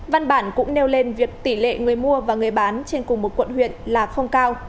văn bản cũng nêu lên việc tỷ lệ người mua và người bán trên cùng một quận huyện là không cao